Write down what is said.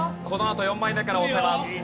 このあと４枚目から押せます。